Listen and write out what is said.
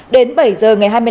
đến bảy giờ ngày hôm nay